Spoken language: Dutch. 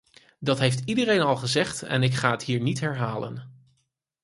Dat heeft iedereen al gezegd en ik ga het hier niet herhalen.